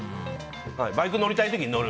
バイク乗りたい時に乗る。